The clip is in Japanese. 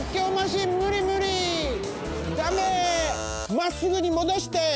まっすぐにもどして！